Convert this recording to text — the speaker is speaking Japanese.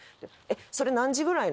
「それ何時ぐらいの？」